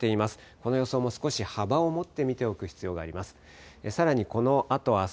この予想も少し幅を持って見ておく必要があります。